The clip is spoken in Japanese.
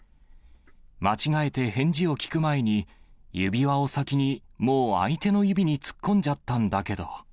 間違えて返事を聞く前に、指輪を先にもう相手の指に突っ込んじゃったんだけど。